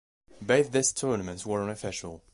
Both these tournaments were unofficial.